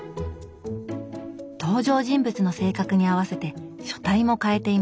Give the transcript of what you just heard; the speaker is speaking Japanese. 登場人物の性格に合わせて書体も変えています。